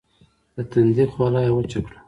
د تندي خوله يې وچه کړه.